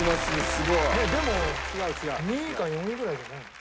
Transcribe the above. すごい。えっでも２位か４位ぐらいじゃないの？